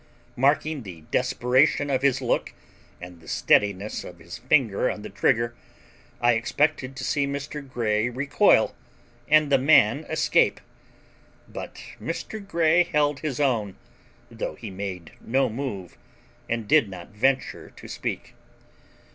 Marking the desperation of his look and the steadiness of his finger on the trigger, I expected to see Mr. Grey recoil and the man escape. But Mr. Grey held his own, though he made no move, and did not venture to speak.